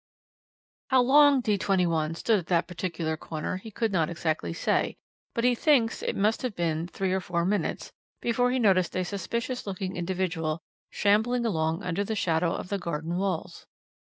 "How long D 21 stood at that particular corner he could not exactly say, but he thinks it must have been three or four minutes before he noticed a suspicious looking individual shambling along under the shadow of the garden walls.